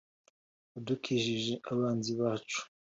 Wadukijije abanzi bacu